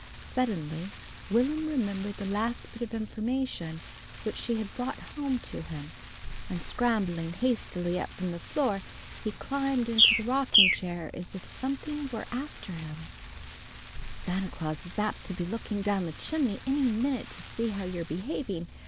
Suddenly Will'm remembered the last bit of information which she had brought home to him, and, scrambling hastily up from the floor, he climbed into the rocking chair as if something were after him: "_Santa Claus is apt to be looking down the chimney any minute to see how you're behaving.